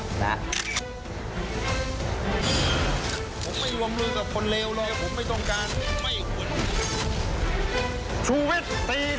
ผมไม่รวมรู้กับคนเลวเลยผมไม่ต้องการไม่ควร